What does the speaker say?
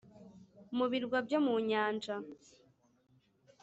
mu birwa byo mu nyanja